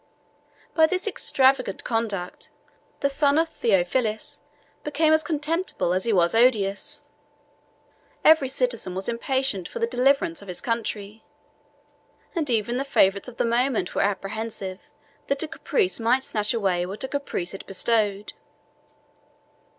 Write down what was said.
By this extravagant conduct, the son of Theophilus became as contemptible as he was odious: every citizen was impatient for the deliverance of his country; and even the favorites of the moment were apprehensive that a caprice might snatch away what a caprice had bestowed.